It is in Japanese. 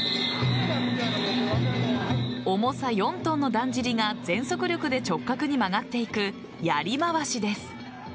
重さ４ｔのだんじりが全速力で直角に曲がっていくやりまわしです。